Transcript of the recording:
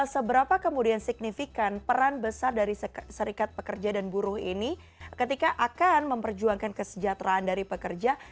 seberapa kemudian signifikan peran besar dari serikat pekerja dan buruh ini ketika akan memperjuangkan kesejahteraan dari pekerja